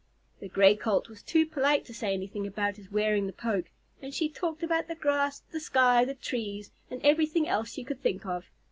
The Gray Colt was too polite to say anything about his wearing the poke, and she talked about the grass, the sky, the trees, and everything else she could think of.